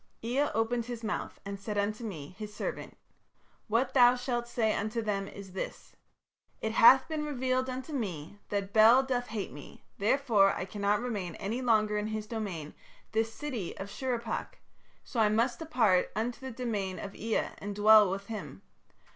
"Ea opened his mouth and said unto me, his servant: 'What thou shalt say unto them is this.... _It hath been revealed unto me that Bel doth hate me, therefore I cannot remain any longer in his domain, this city of Shurippak, so I must depart unto the domain of Ea and dwell with him....